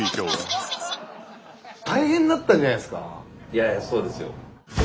いやあそうですよ。